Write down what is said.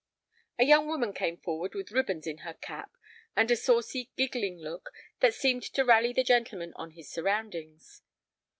A young woman came forward with ribbons in her cap, and a saucy, giggling look that seemed to rally the gentleman on his surroundings.